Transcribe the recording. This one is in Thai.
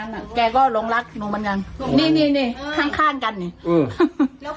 แล้วแกก็หลงหรักลูกมันกันนี่นี่นี่ข้างกันเนี่ยอืม